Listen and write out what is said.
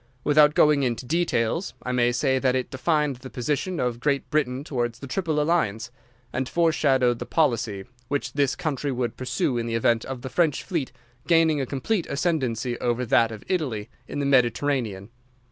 Without going into details, I may say that it defined the position of Great Britain towards the Triple Alliance, and fore shadowed the policy which this country would pursue in the event of the French fleet gaining a complete ascendancy over that of Italy in the Mediterranean.